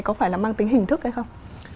có phải là mang tính hình thức hay không